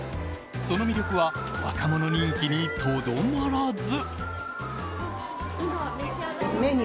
その魅力は若者人気にとどまらず。